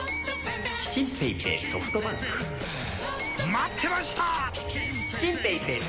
待ってました！